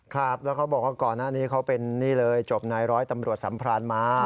ครับแล้วเขาบอกว่าก่อนหน้านี้เขาเป็นนี่เลยจบนายร้อยตำรวจสัมพรานมา